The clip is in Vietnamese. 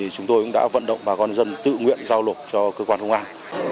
chúng tôi cũng đã vận động và con dân tự nguyện giao lột cho cơ quan công an